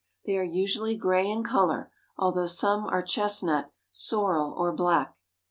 They are usually gray in color, although some are chestnut, sorrel, or black.